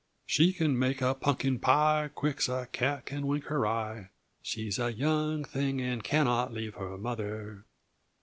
"She can make a punkin pie quick's a cat can wink her eye, She's a young thing, and cannot leave her mother!"